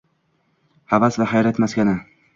Havas va hayrat maskani